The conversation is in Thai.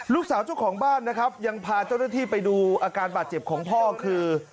เจ้าของบ้านนะครับยังพาเจ้าหน้าที่ไปดูอาการบาดเจ็บของพ่อคือ